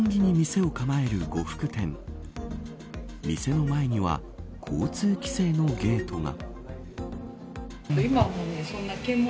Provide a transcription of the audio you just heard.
店の前には交通規制のゲートが。